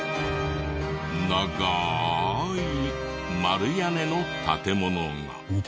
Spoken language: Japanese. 長い丸屋根の建物が。